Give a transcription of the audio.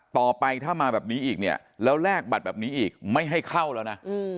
ต่อไปถ้ามาแบบนี้อีกเนี่ยแล้วแลกบัตรแบบนี้อีกไม่ให้เข้าแล้วนะ